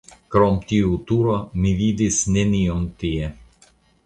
Krom tiu turo mi vidis nenion tie.